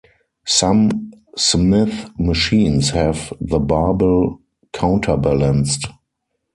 Some Smith machines have the barbell counterbalanced.